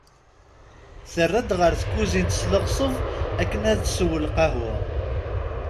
Terra-d ɣer tkuzint s leɣseb akken ad tessu lqahwa.